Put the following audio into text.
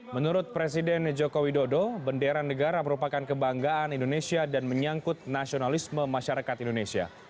menurut presiden joko widodo bendera negara merupakan kebanggaan indonesia dan menyangkut nasionalisme masyarakat indonesia